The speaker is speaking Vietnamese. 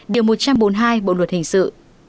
điều một trăm bốn mươi hai bộ luật hình sự